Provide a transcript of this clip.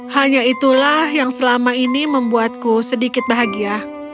hanya itulah yang selama ini membuatku sedikit bahagia